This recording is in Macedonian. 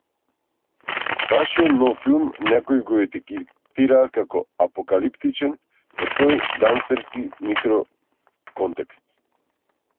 Вашиот нов филм некои го етикетираат како апокалиптичен во тој гангстерски микроконтекст.